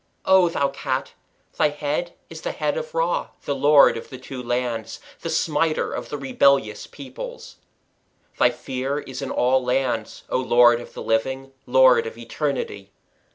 O thou Cat, thy head is the head of Ra, the Lord of the Two Lands, the smiter of the rebellious peoples. Thy[FN#201] fear is in all lands, O Lord of the living, Lord of eternity.